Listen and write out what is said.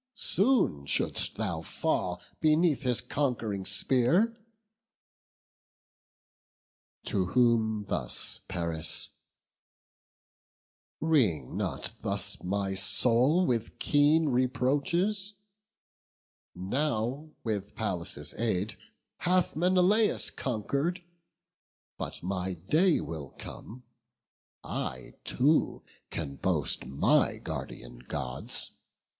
Soon shouldst thou fall beneath his conqu'ring spear." To whom thus Paris: "Wring not thus my soul With keen reproaches: now, with Pallas' aid, Hath Menelaus conquer'd; but my day Will come: I too can boast my guardian Gods.